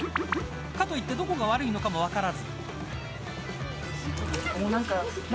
かといってどこが悪いかも分からず。